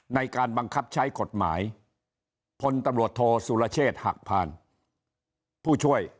ในการบังคับใช้กฎหมายพลตำรวจโทสุรเชษฐ์หักผ่านผู้ช่วย